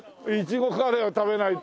苺カレーは食べないと。